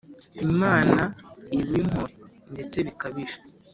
Imana ibimpore ndetse bikabije.